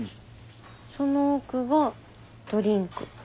その奥がドリンク。